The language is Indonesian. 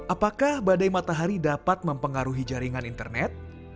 apakah badai matahari dapat mempengaruhi jaringan internet